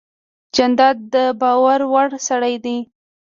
جانداد د باور وړ سړی دی.